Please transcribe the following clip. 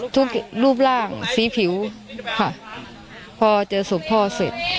ทุกอย่างรูปร่างสีผิวค่ะพอเจอสุขพ่อเสร็จ